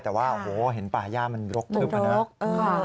แต่ว่าโอ้โหเห็นปลาหญ้ามันรกเท่านั้นนะ